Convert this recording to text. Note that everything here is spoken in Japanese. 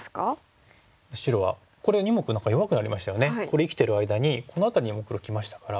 これ生きてる間にこの辺りにも黒きましたから。